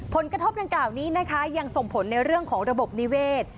ผลกระทบดังกล่าวนี้นะคะยังส่งผลในเรื่องของระบบนิเวศ